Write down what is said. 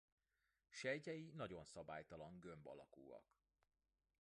Sejtjei nagyon szabálytalan gömb alakúak.